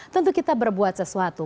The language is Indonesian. tentu kita berbuat sesuatu